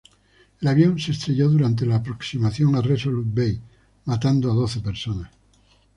El avión se estrelló durante la aproximación a Resolute Bay, matando a doce personas.